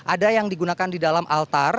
ada yang digunakan di dalam altar